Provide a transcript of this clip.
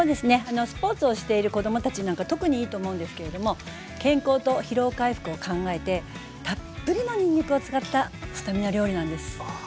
スポーツをしている子供たちなんか特にいいと思うんですけれども健康と疲労回復を考えてたっぷりのにんにくを使ったスタミナ料理なんです。